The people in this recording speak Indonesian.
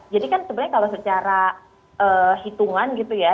jadi kan sebenarnya kalau secara hitungan gitu ya